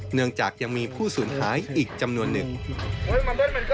เนื่องจากยังมีผู้สูญหายอีกจำนวนหนึ่ง